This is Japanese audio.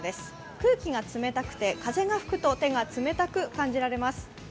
空気が冷たくて風が吹くと手が冷たく感じられます。